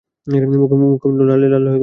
মুখমণ্ডল লালে লাল হয়ে গেল।